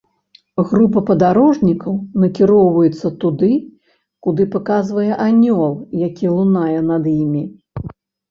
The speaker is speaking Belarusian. Група падарожнікаў накіроўваецца туды, куды паказвае анёл, які лунае над імі.